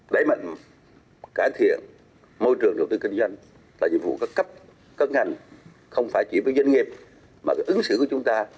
đấy mệnh cải thiện môi trường đầu tư kinh doanh là nhiệm vụ cấp cấp ngành không phải chỉ với doanh nghiệp mà cũng ứng xử với chúng ta